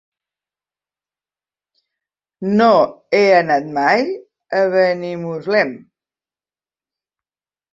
No he anat mai a Benimuslem.